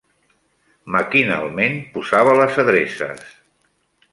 Maquinalment posava les adreces.